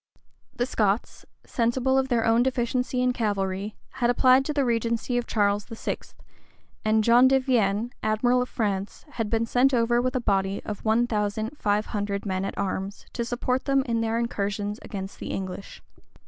The Scots, sensible of their own deficiency in cavalry, had applied to the regency of Charles VI.; and John de Vienne, admiral of France, had been sent over with a body of one thousand five hundred men at arms, to support them in their incursions against the English.